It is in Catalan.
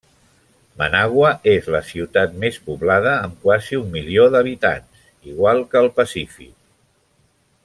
Managua és la ciutat més poblada amb quasi un milió d'habitants, igual que el pacífic.